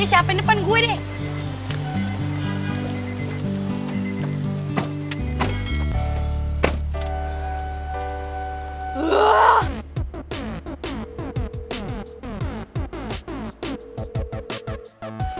ya siapin depan gue deh